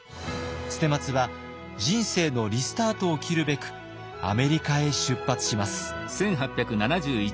捨松は人生のリスタートを切るべくアメリカへ出発します。